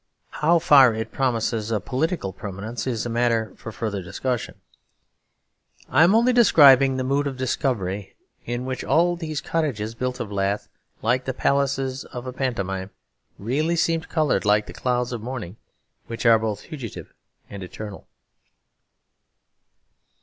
How far it promises a political permanence is a matter for further discussion; I am only describing the mood of discovery; in which all these cottages built of lath, like the palaces of a pantomime, really seemed coloured like the clouds of morning; which are both fugitive and eternal.